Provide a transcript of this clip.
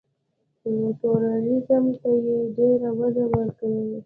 ټوریزم ته یې ډېره وده ورکړې.